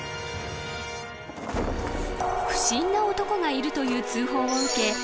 ［不審な男がいるという通報を受け